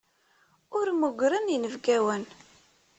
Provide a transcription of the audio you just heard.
Ur mmugren inebgawen.